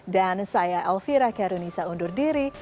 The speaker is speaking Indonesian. dan saya elvira karunisa undur diri